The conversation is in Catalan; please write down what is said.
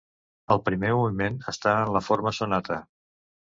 El primer moviment està en la forma sonata.